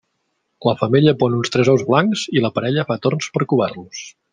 La femella pon uns tres ous blancs, i la parella fa torns per covar-los.